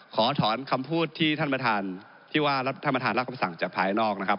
ขอถอนคำพูดที่ว่าท่านประธานรับคำสั่งจากภายนอกนะครับ